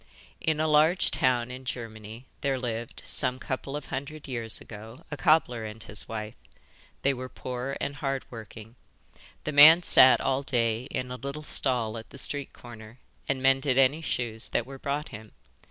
In a large town in Germany there lived, some couple of hundred years ago, a cobbler and his wife. They were poor and hard working. The man sat all day in a little stall at the street corner and mended any shoes that were brought him.